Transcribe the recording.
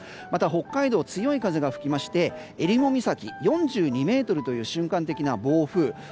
また、北海道は強い風が吹いてえりも岬、４２メートルという瞬間的な暴風雨。